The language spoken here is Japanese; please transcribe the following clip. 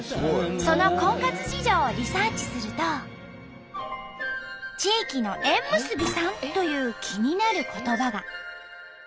その婚活事情をリサーチすると「地域の縁結びさん」という気になる言葉が。